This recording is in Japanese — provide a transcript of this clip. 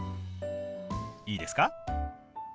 いいですか？